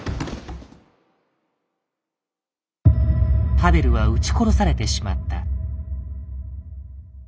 パヴェルは撃ち殺されてしまった。